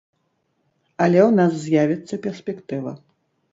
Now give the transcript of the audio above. Але ў нас з'явіцца перспектыва.